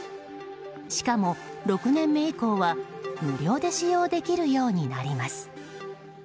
しかも６年目以降は無料で使用できるようになります。